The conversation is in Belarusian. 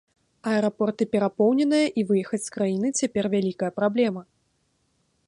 Аэрапорты перапоўненыя і выехаць з краіны цяпер вялікая праблема.